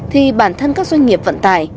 thì bản thân các doanh nghiệp vận tải